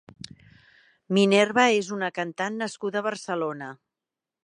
Minerva és una cantant nascuda a Barcelona.